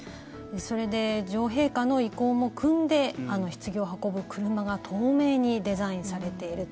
それで女王陛下の意向もくんでひつぎを運ぶ車が透明にデザインされている。